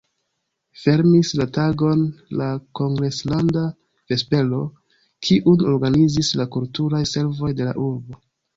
Fermis la tagon la kongreslanda vespero, kiun organizis la Kulturaj Servoj de la urbo.